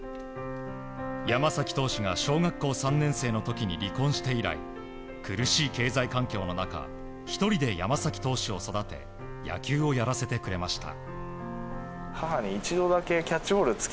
山崎投手が小学校３年生の時に離婚して以来苦しい経済環境の中１人で山崎投手を育て野球をやらせてくれました。